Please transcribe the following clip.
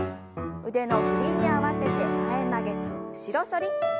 腕の振りに合わせて前曲げと後ろ反り。